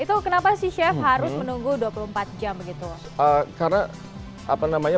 itu kenapa sih chef harus menunggu dua puluh empat jam gitu